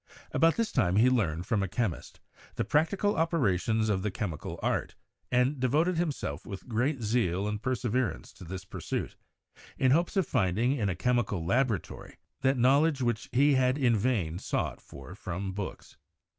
About this time he learned, from a chemist, the prac tical operations of the chemical art, and devoted himself with great zeal and perseverance to this pursuit, in hopes of finding in a chemical laboratory that knowledge which he had in vain sought for from books.